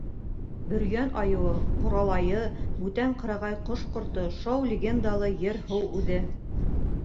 Бөрйән айыуы, ҡоралайы, бүтән ҡырағай ҡош-ҡорто, шау легендалы ер-һыу үҙе!